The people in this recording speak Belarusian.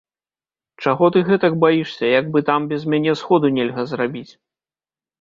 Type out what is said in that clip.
Чаго ты гэтак баішся, як бы там без мяне сходу нельга зрабіць!